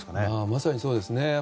まさにそうですね。